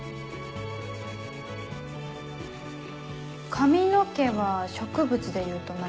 髪の毛は植物でいうと何？